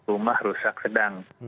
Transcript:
rumah rusak sedang